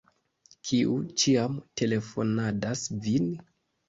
Kiu ĉiam telefonadas vin?